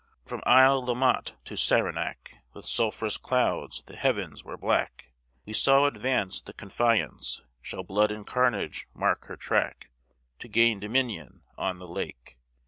From Isle La Motte to Saranac With sulphurous clouds the heavens were black; We saw advance the Confiance, Shall blood and carnage mark her track, To gain dominion on the lake.